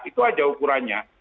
itu aja ukurannya